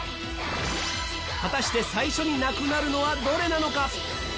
果たして最初になくなるのはどれなのか？